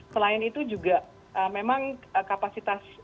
selain itu juga memang kapasitas